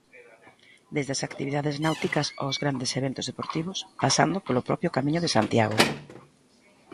Desde as actividades náuticas aos grandes eventos deportivos, pasando polo propio Camiño de Santiago.